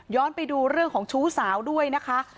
ไปดูเรื่องของชู้สาวด้วยนะคะ